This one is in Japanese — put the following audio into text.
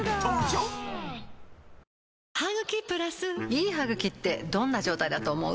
いい歯ぐきってどんな状態だと思う？